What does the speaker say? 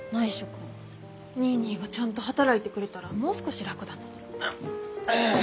ニーニーがちゃんと働いてくれたらもう少し楽だのに。